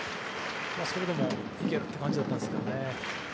それでも行けるっていう感じだったんですけどね。